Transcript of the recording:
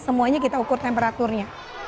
semuanya kita ukur temperaturnya